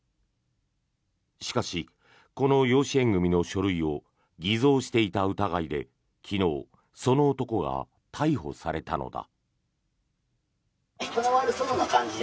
しかし、この養子縁組の書類を偽造していた疑いで昨日、その男が逮捕されたのだ。